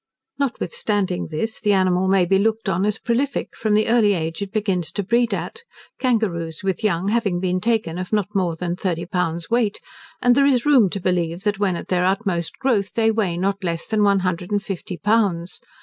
Notwithstanding this, the animal may be looked on as prolific, from the early age it begins to breed at, kangaroos with young having been taken of not more than thirty pounds weight; and there is room to believe that when at their utmost growth, they weigh not less than one hundred and fifty pounds.